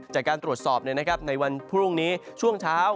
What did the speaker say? จากการตรวจสอบในวันพรุ่งนี้ช่วงเช้า